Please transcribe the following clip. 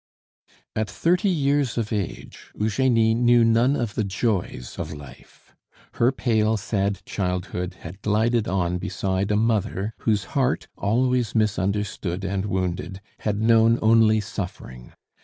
At thirty years of age Eugenie knew none of the joys of life. Her pale, sad childhood had glided on beside a mother whose heart, always misunderstood and wounded, had known only suffering.